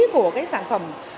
của sản phẩm